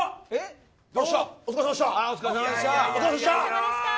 お疲れさまでした。